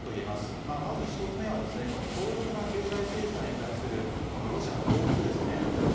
まず１つ目は強力な経済制裁に対するこのロシアの報復ですね。